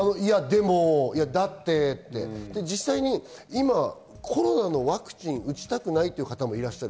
でも、だってとか、実際にコロナのワクチン打ちたくないという方もいらっしゃる。